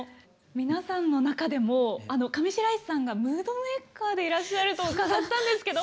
皆さんの中でも上白石さんがムードメーカーでいらっしゃると伺ったんですけど。